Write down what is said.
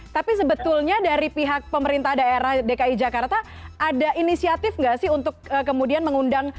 tapi sebetulnya dari pihak pemerintah daerah dki jakarta ada inisiatif nggak sih untuk kemudian mengundang